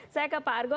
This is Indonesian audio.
saya ke pak argo